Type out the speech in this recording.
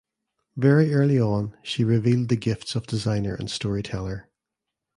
Very early on she revealed the gifts of designer and storyteller.